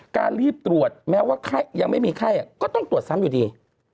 การรีบตรวจแม้ว่ายังไม่มีไข้ก็ต้องตรวจซ้ำอยู่ดี